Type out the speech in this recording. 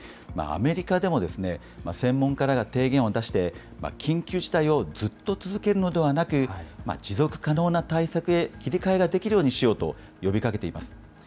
アメリカでも、専門家らが提言を出して、緊急事態をずっと続けるのではなく、持続可能な対策へ切り替えができるようにしようと呼びかけています。